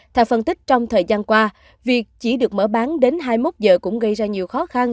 theo phân tích trong thời gian qua việc chỉ được mở bán đến hai mươi một giờ cũng gây ra nhiều khó khăn